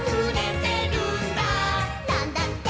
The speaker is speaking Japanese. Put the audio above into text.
「なんだって」